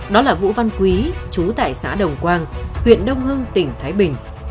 đó là vũ văn quý chú tại xã đồng quang huyện đông hưng tỉnh thái bình